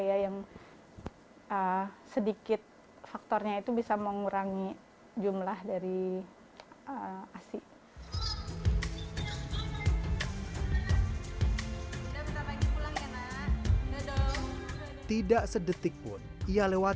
ya yang sedikit faktornya itu bisa mengurangi jumlah dari asi tidak sedetik pun ia lewat